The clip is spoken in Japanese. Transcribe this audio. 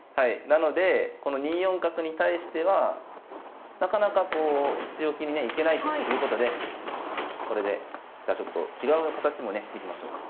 なのでこの２四角に対してはなかなかこう強気にねいけないということでこれでじゃあちょっと違う形もね見ていきましょうか。